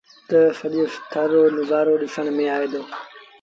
تا سڄي ٿر رو نزآرو ڏسڻ ميݩ آئي دو۔